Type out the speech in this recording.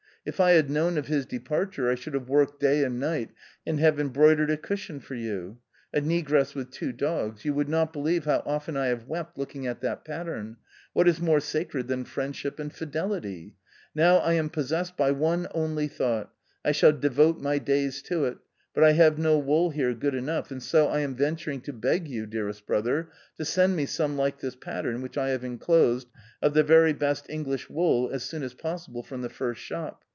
If I had known of his departure, I should have worked day and night and have embroidered a cushion for you: a negress with two dogs. You would not believe how often I have wept looking at that pattern ; what is more sacred than friendship and fidelity ? Now I am possessed by one only thought ; I shall devote my days to it ; but I have no wool here good enough, and so I am venturing to beg you, dearest brother, to send me some like this pattern which I have enclosed, of the very best English wool as soon as possible from the first shop.